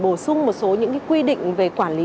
bổ sung một số những quy định về quản lý